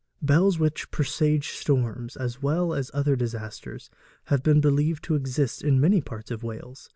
Bells which presaged storms, as well as other disasters, have been believed to exist in many parts of Wales.